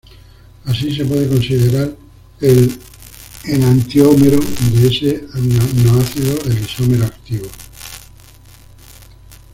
Así se puede considerar el enantiómero -de ese aminoácido el isómero activo.